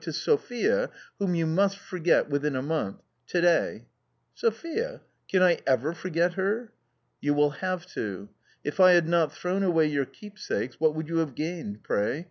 to Sophia," Whutil you must forget within a month, to day." 4 *15opEiaT"can T eveflbrget tier?* " You will have to. If I had not thrown away your keepsakes what would you have gained, pray